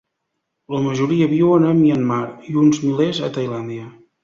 La majoria viuen a Myanmar i uns milers a Tailàndia.